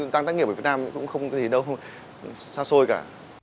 đang tác nghiệp ở việt nam cũng không thấy đâu xa xôi cả